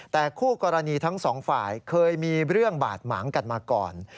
แต่คู่กรณีทั้งสองฝ่ายเคยมีเรื่องบาดหมางกันมาก่อน